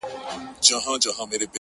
غوږ سه ورته،